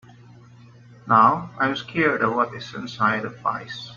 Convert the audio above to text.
Now, I’m scared of what is inside of pies.